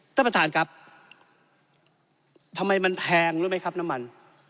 ท่านประธานครับทำไมมันแพงรู้ไหมครับน้ำมัน